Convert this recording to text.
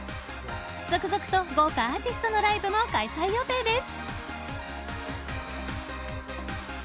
続々と豪華アーティストのライブも開催予定です。